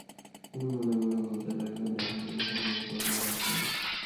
তিনি মনে মনে বলতে লাগলেন, দেখ নীলু, স্বপ্নের ওপর আমার হাত নেই।